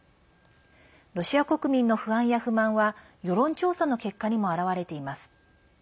ロシア国民の不安や不満は世論調査の結果にも表れています。